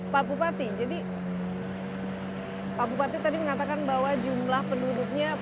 pak bupati jadi pak bupati tadi mengatakan bahwa jumlah penduduknya